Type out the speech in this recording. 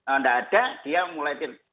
nggak ada dia mulai